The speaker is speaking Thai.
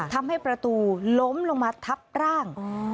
ทำให้ประตูล้มลงมาทับร่าง